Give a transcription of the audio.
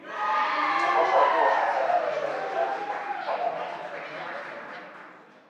A basa gyorsan szerelmes lett a leányba és magával akarta vinni.